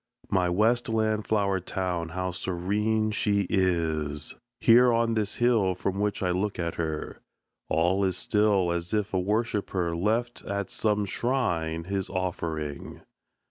My westland flower town, how serene she is! Here on this hill from which I look at her, All is still as if a worshipper Left at some shrine his offering.